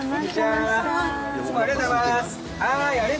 ありがとうございます。